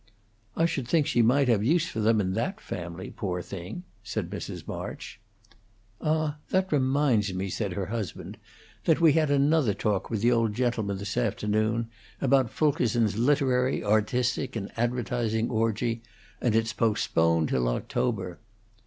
"I should think she might have use for them in that family, poor thing!" said Mrs. March. "Ah, that reminds me," said her husband, "that we had another talk with the old gentleman, this afternoon, about Fulkerson's literary, artistic, and advertising orgie, and it's postponed till October."